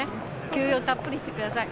休養たっぷりしてください。